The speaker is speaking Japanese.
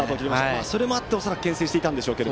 それもあって恐らくけん制していたんでしょうね。